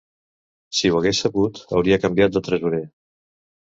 Si ho hagués sabut, hauria canviat de tresorer.